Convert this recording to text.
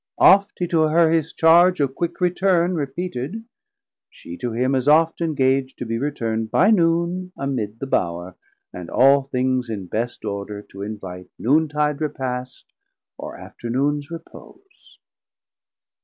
Oft he to her his charge of quick returne, Repeated, shee to him as oft engag'd 400 To be returnd by Noon amid the Bowre, And all things in best order to invite Noontide repast, or Afternoons repose.